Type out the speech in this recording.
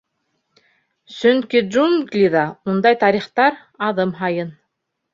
— Сөнки джунглиҙа ундай тарихтар — аҙым һайын.